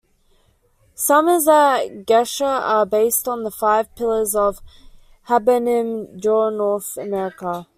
Summers at Gesher are based on the five pillars of Habonim Dror North America.